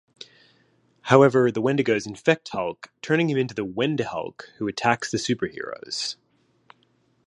However, the Wendigos infect Hulk, turning him into the "Wendihulk" who attacks the superheroes.